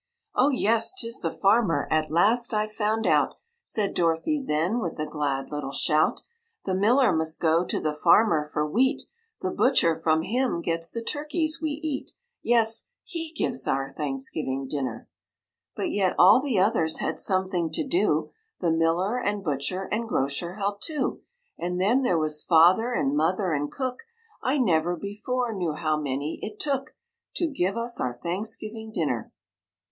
"Oh, yes! 'tis the farmer; at last I've found out," Said Dorothy, then, with a glad little shout. "The miller must go to the farmer for wheat, The butcher from him gets the turkeys we eat; Yes! he gives our Thanksgiving Dinner." "But yet all the others had something to do; The miller and butcher and grocer helped, too. And then there was Father and Mother and cook. I never before knew how many it took To give us our Thanksgiving Dinner."